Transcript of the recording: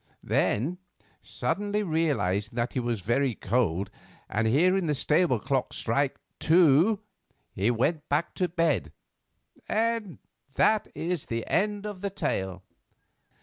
Then, suddenly realising that he was very cold, and hearing the stable clock strike two, he went back to bed, and that's the end of the tale.